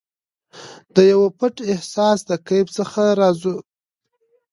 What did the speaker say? دیو پټ احساس د کیف څخه راوزم